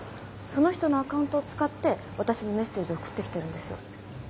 その人のアカウントを使って私にメッセージを送ってきてるんです。